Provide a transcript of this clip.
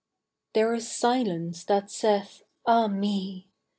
A PHERE is silence that saith, "Ah me!"